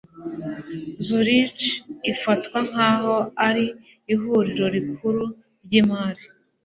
Zurich ifatwa nkaho ari ihuriro rikuru ryimari.